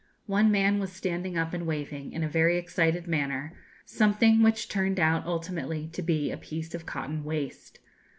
One man was standing up and waving, in a very excited manner, something which turned out ultimately to be a piece of cotton waste.